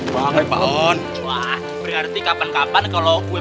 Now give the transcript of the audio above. baik banget pak on wah berarti kapan kapan kalau gue